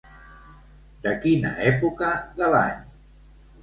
De quina època de l'any?